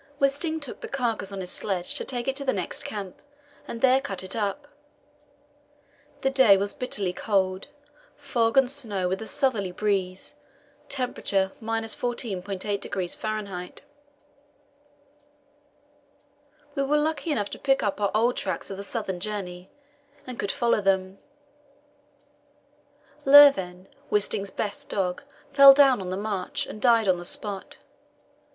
Wisting took the carcass on his sledge to take it to the next camp, and there cut it up. The day was bitterly cold fog and snow with a southerly breeze; temperature, 14.8° F. We were lucky enough to pick up our old tracks of the southern journey, and could follow them. Lurven, Wisting's best dog, fell down on the march, and died on the spot.